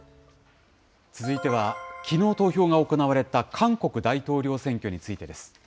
続いては、きのう投票が行われた韓国大統領選挙についてです。